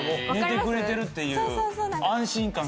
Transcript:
寝てくれてるっていう安心感が。